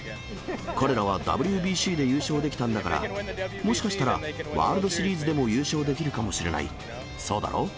彼らはＷＢＣで優勝できたんだから、もしかしたらワールドシリーズでも優勝できるかもしれない。